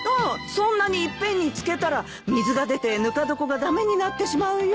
そんなに一遍に漬けたら水が出てぬか床が駄目になってしまうよ。